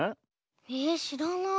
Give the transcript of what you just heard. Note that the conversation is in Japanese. えしらない。